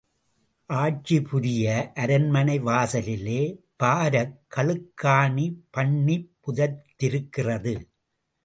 ஆட்சி புரிய அரண்மனை வாசலிலே பாரக் கழுக்காணி பண்ணிப் புதைத்திருக்கிறது.